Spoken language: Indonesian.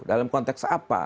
dalam konteks apa